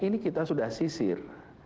ini kita sudah sisir